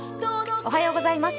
おはようございます。